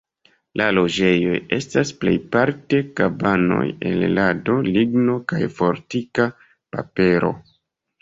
La loĝejoj estas plejparte kabanoj el lado, ligno kaj fortika papero.